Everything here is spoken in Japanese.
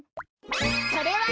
それはね。